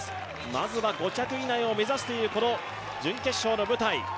まずは５着以内を目指すという決勝の舞台。